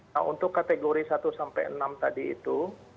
nah untuk kategori satu sampai enam tadi itu